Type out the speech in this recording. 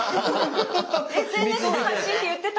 ＳＮＳで発信って言ってた。